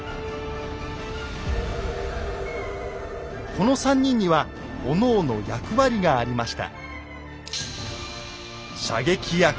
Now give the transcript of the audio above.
この３人にはおのおの役割がありました。